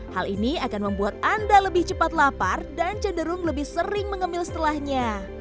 hal ini akan membuat anda lebih cepat lapar dan cenderung lebih sering mengemil setelahnya